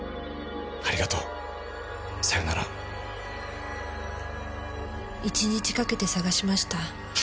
「ありがとう。さよなら」１日かけて捜しました。